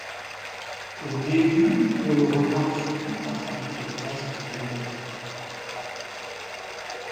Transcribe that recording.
Au début, on le remarque surtout parce qu’il fait presque deux mètres.